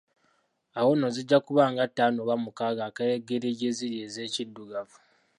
Ezo awo zijja kuba nga ttaano oba mukaaga akageri gye ziri ez’Ekiddugavu.